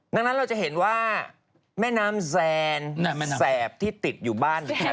ดังนั้นเราจะเห็นว่าแม่น้ำแซนแสบที่ติดอยู่บ้าน